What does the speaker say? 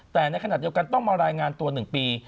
แต่ในขณะเดียวกันต้องมารายงานตัว๑ปี